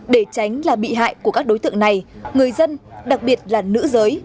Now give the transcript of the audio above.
để tránh là bị hại của các đối tượng này người dân đặc biệt là nữ giới